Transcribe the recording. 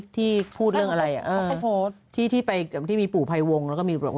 ที่พูดเรื่องอะไรอ่ะที่ที่ไปที่มีปูไพวงก์แล้วก็มีรวม